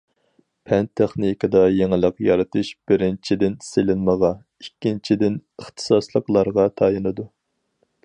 پەن- تېخنىكىدا يېڭىلىق يارىتىش بىرىنچىدىن سېلىنمىغا، ئىككىنچىدىن ئىختىساسلىقلارغا تايىنىدۇ.